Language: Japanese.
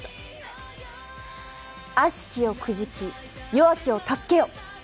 悪しきをくじき、弱気を助けよ。